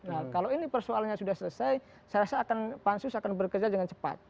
nah kalau ini persoalannya sudah selesai saya rasa akan pansus akan bekerja dengan cepat